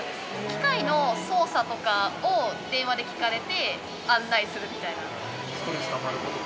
機械の操作とかを電話で聞かれて案内するみたいな。